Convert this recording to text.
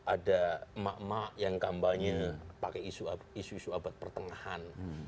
ada emak emak yang kampanye pakai isu isu abad pertengahan